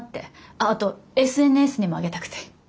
あとＳＮＳにもあげたくて。